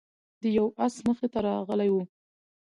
د یو آس مخې ته راغلی و،